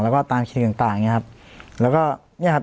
แล้วก็ตามคลินิกต่างต่างเนี้ยครับแล้วก็เนี้ยครับ